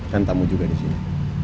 kan tamu juga di sini